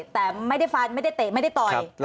แต่ไม่ได้ฟันไม่ได้เตะไม่ได้ต่อย